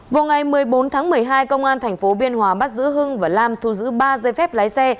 vào ngày một mươi bốn tháng một mươi hai công an tp biên hòa bắt giữ hưng và lam thu giữ ba dây phép lái xe